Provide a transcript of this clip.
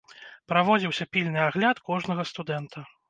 Праводзіўся пільны агляд кожнага студэнта.